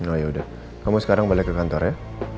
oh ya udah kamu sekarang balik ke kantor ya